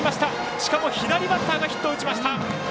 しかも、左バッターがヒットを打ちました。